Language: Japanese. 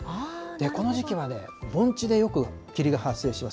この時期は、盆地でよく霧が発生します。